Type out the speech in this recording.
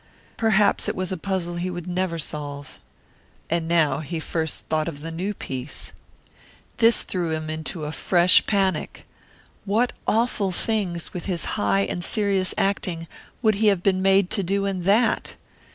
Perhaps it was a puzzle he could never solve. And now he first thought of the new piece. This threw him into fresh panic. What awful things, with his high and serious acting, would he have been made to do in that?